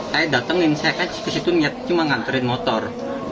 saya datangin saya kan kesitu cuma ngantri motor